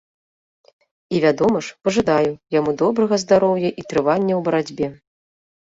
І вядома ж, пажадаю, яму добрага здароўя і трывання ў барацьбе.